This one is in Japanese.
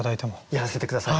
やらせて下さい！